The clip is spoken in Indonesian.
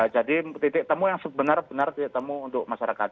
jadi titik temu yang sebenar benar titik temu untuk masyarakat